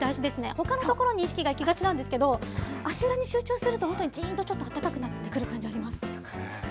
ほかのところに意識がいきがちなんですけど、足裏に集中すると、本当にじーんとちょっとあったかくなってくる感じあります。